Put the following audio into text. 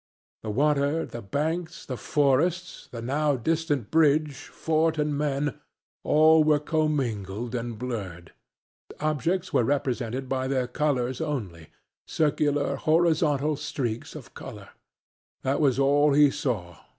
The water, the banks, the forests, the now distant bridge, fort and men all were commingled and blurred. Objects were represented by their colors only; circular horizontal streaks of color that was all he saw.